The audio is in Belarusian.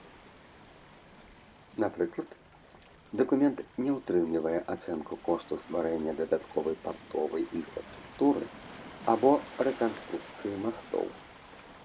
Напрыклад, дакумент не ўтрымлівае ацэнку кошту стварэння дадатковай партовай інфраструктуры або рэканструкцыі мастоў.